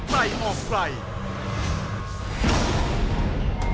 สวัสดีครับ